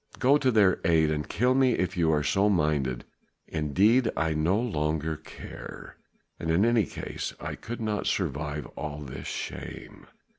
go to their aid! and kill me if you are so minded. Indeed I no longer care, and in any case I could not survive all this shame."